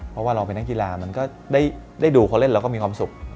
เราก็เป็นหน้างีกีฬาได้ดูเล่นแล้วเราก็มีความสุข